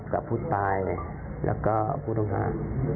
กับผู้ตายแล้วก็ผู้ต้องหา